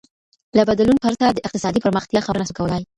له بدلون پرته د اقتصادي پرمختيا خبره نسو کولاى.